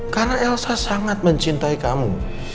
karena elsa sangat mencintai kamu